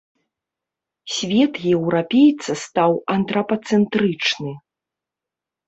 Свет еўрапейца стаў антрапацэнтрычны.